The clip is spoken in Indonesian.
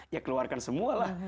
ya keluarkan semualah